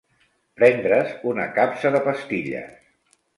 Prendre's una capsa de pastilles.